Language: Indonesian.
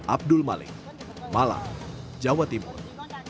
abdul malik malang jawa timur